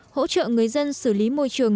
hỗ trợ người dân xử lý môi trường